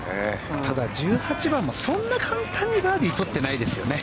ただ、１８番もそんな簡単にバーディーを取ってないですね。